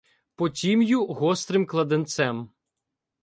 По тім'ю гострим кладенцем